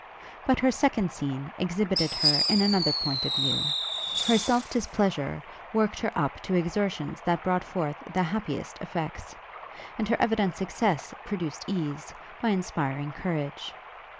But her second scene exhibited her in another point of view; her self displeasure worked her up to exertions that brought forth the happiest effects; and her evident success produced ease, by inspiring courage.